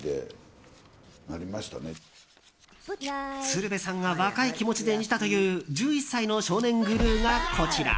鶴瓶さんが若い気持ちで演じたという１１歳の少年グルーがこちら。